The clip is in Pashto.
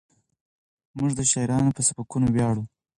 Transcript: موږ د شاعرانو په سبکونو ویاړو.